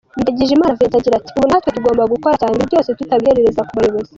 Ndagijimana Vincent agira ati “Ubu natwe tugomba gukora cyane, ibintu byose tutabiherereza ku bayobozi.